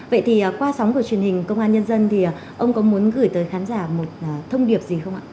vậy thì qua sóng của truyền hình công an nhân dân thì ông có muốn gửi tới khán giả một thông điệp gì không ạ